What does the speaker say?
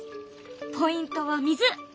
ポイントは水。